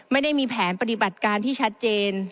ไม่ได้มีแผนปฏิบัติการที่ชัดเจน